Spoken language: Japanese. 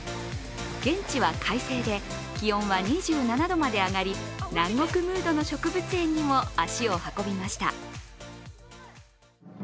現地は快晴で気温は２７度まで上がり南国ムードの植物園にも足を運びました。